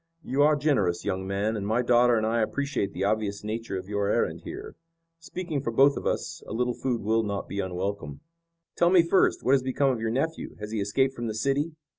"You are generous, young man, and my daughter and I appreciate the obvious nature of your errand here. Speaking for both of us, a little food will not be unwelcome." "Tell me first, what has become of your nephew. Has he escaped from the city?"